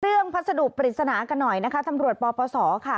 พัสดุปริศนากันหน่อยนะคะตำรวจปปศค่ะ